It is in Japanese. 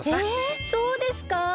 えそうですか？